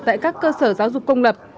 tại các cơ sở giáo dục công lập